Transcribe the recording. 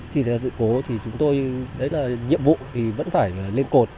khi sẽ dự cố thì chúng tôi đấy là nhiệm vụ thì vẫn phải lên cột